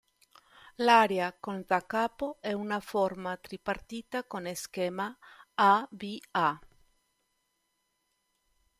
L'aria "col da capo" è una forma tripartita con schema A-B-A'.